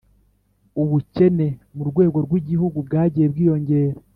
ubukene mu rwego rw'igihugu bwagiye bwiyongera,